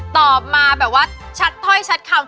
ตอบมาแบบว่าชัดถ้อยชัดคำ